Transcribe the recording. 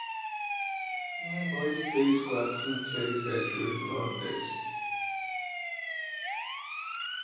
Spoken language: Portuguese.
trios, analisador léxico, subsequentes, dedutivo, axiomas, convencional, teoremas, proposições, inferência